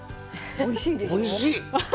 おいしい！